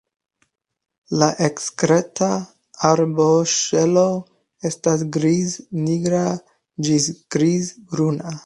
La ekstera arboŝelo estas griz-nigra ĝis griz-bruna.